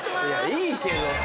いいけどさ。